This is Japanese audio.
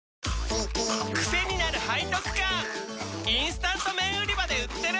チキンかじり虫インスタント麺売り場で売ってる！